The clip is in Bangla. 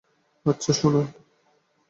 আচ্ছা, শুনুন।